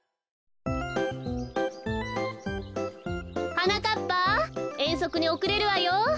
はなかっぱえんそくにおくれるわよ。